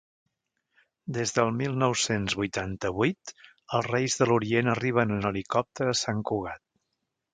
Des del mil nou-cents vuitanta-vuit els Reis de l'Orient arriben en helicòpter a Sant Cugat.